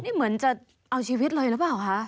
นี่เหมือนจะเอาชีวิตเลยหรือเปล่าคะ